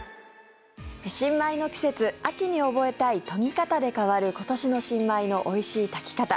新米の季節、秋に覚えたい研ぎ方で変わる今年の新米のおいしい炊き方。